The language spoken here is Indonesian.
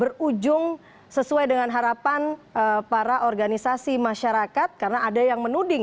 revisi undang undang ini akan berujung sesuai dengan harapan para organisasi masyarakat karena ada yang menuding